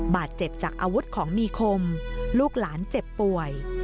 บาดเจ็บจากอาวุธของมีคมลูกหลานเจ็บป่วย